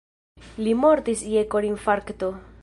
Li mortis je korinfarkto.